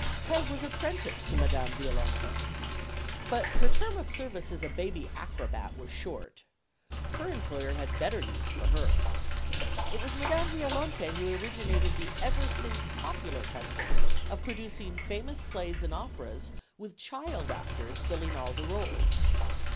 Peg was apprenticed to Madame Violante. But her term of service as a baby acrobat was short. Her employer had better use for her. It was Madame Violante who originated the ever since popular custom of producing famous plays and operas, with child actors filling all the roles.